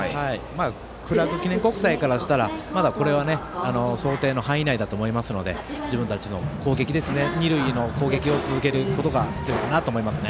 クラーク記念国際からしたらまだ、これは想定の範囲内だと思いますので自分たちの攻撃二塁の攻撃が続けることが必要かなと思います。